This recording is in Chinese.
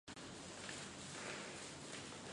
构图简单